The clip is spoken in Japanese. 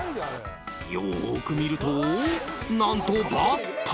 よく見ると、何とバッタ。